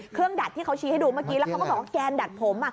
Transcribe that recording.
ดัดที่เขาชี้ให้ดูเมื่อกี้แล้วเขาก็บอกว่าแกนดัดผม